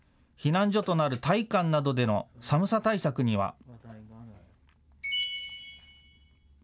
避難所となる体育館などでの寒さ対策には。